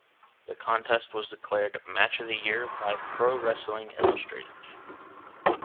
The contest was declared Match of the Year by "Pro Wrestling Illustrated".